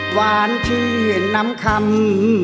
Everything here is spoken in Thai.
หวานที่น้ำคำ